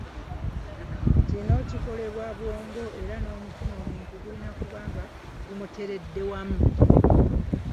Kino kikolebwa bwongo, era n’omutima omuntu gulina okuba nga gumuteredde wamu.